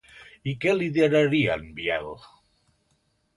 I què lideraria en Biel?